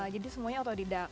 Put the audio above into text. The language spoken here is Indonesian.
jadi semuanya otodidak